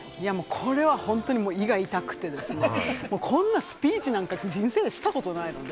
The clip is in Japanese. これは本当に胃が痛くて、スピーチなんか人生でしたことないので。